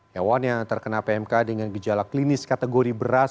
hewan yang terkena pmk dengan gejala klinis kategori berat